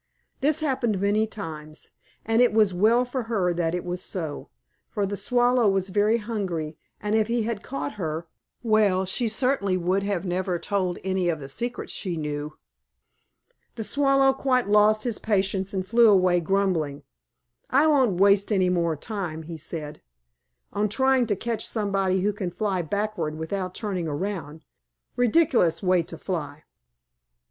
This happened many times, and it was well for her that it was so, for the Swallow was very hungry, and if he had caught her well, she certainly would never have told any of the secrets she knew. The Swallow quite lost his patience and flew away grumbling. "I won't waste any more time," he said, "on trying to catch somebody who can fly backward without turning around. Ridiculous way to fly!"